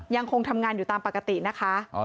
ยังคงทำงานอยู่ตามปกตินะคะ